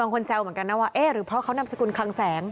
คนแซวเหมือนกันนะว่าเอ๊ะหรือเพราะเขานำสกุลคลังแสง